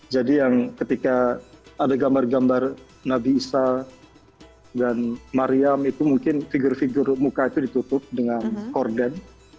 jadi yang ketika ada gambar gambar nabi isa dan maryam itu mungkin figur figur muka itu ditutup dengan korden